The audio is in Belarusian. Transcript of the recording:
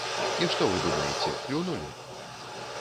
І што вы думаеце, клюнулі.